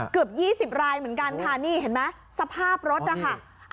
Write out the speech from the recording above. เกือบ๒๐รายเหมือนกันค่ะนี่เห็นไหมสภาพรถนะคะ